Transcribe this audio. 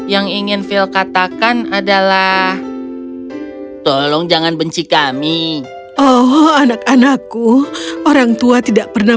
yang ingin phil katakan adalah tolong jangan benci kami oh anak anakku orangtua tidak pernah